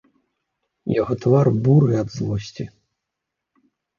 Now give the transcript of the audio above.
Яго твар буры ад злосці.